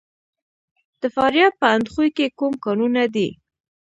د فاریاب په اندخوی کې کوم کانونه دي؟